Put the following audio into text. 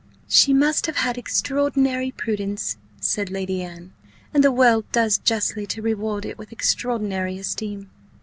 "She must have had extraordinary prudence," said Lady Anne; "and the world does justly to reward it with extraordinary esteem."